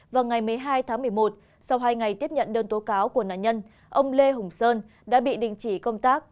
vào ngày một mươi hai tháng một mươi một sau hai ngày tiếp nhận đơn tố cáo của nạn nhân ông lê hùng sơn đã bị đình chỉ công tác